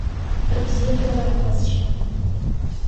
Абзиабара аҟазшьа…